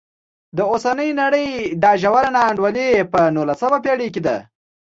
د اوسنۍ نړۍ دا ژوره نا انډولي په نولسمه پېړۍ کې ده.